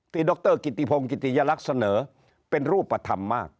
ดรกิติพงศิติยลักษณ์เสนอเป็นรูปธรรมมาก